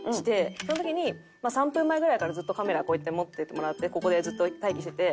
その時に３分前ぐらいからずっとカメラこうやって持っててもらってここでずっと待機してて。